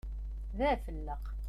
D afelleq!